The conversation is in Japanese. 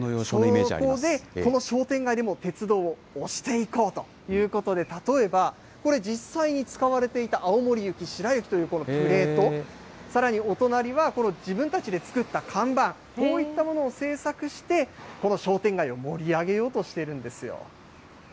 そこでこの商店街でも、鉄道を推していこうということで、例えば、これ、実際に使われていた青森行きしらゆきというこのプレート、さらにお隣は、自分たちで作った看板、こういったものを製作して、この商店街を盛り上げようとしているんですよ。